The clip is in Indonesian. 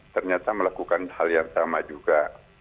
ternyata melakukan hal yang sama juga